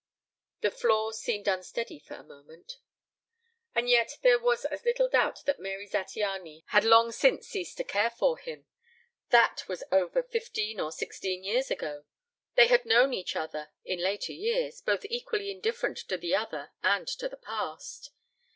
The floor seemed unsteady for a moment. And yet there was as little doubt that Mary Zattiany bad long since ceased to care for him. That was over fifteen or sixteen years ago. They had known each other in later years, both equally indifferent to the other and to the past.